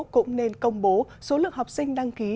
cũng nên công bố số lượng học sinh đăng ký